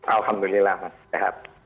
alhamdulillah mas sehat